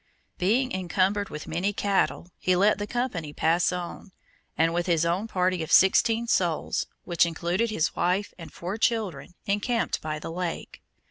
Being encumbered with many cattle, he let the company pass on, and, with his own party of sixteen souls, which included his wife and four children, encamped by the lake.